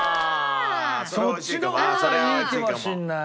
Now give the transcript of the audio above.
そっちの方がいいかもしれない。